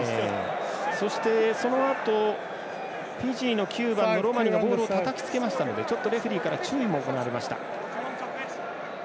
そして、そのあとフィジーの９番のロマニがボールをたたきつけましたのでちょっとレフリーから注意も行われました。